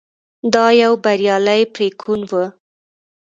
دا یو بریالی پرېکون و.